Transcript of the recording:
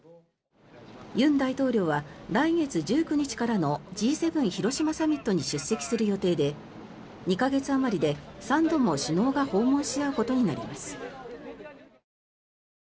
尹大統領は来月１９日からのＧ７広島サミットに出席する予定で２か月あまりで３度も首脳が訪問し合うことになります。